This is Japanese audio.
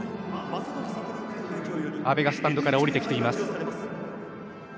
阿部がスタンドから下りてきています。